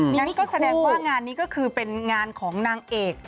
มีไม่กี่คู่ยังก็แสดงว่างานนี้ก็คือเป็นงานของนางเอกค่ะ